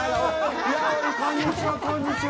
こんにちは、こんにちは！